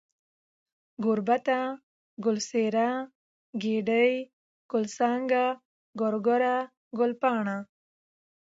گوربته ، گل څېره ، گېډۍ ، گل څانگه ، گورگره ، گلپاڼه